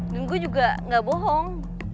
dan gua juga gak bohong